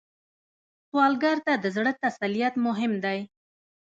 سوالګر ته د زړه تسلیت مهم دی